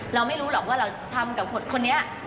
เราไม่รู้หรอกว่าเราทำกับคนนี้